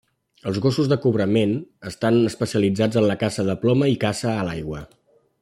Els gossos de cobrament estan especialitzats en la caça de ploma i caça a l'aigua.